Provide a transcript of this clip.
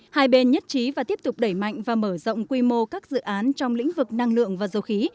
hai bên nhất trí và tiếp tục đẩy mạnh và mở rộng quy mô các dự án trong lĩnh vực năng lượng và dầu khí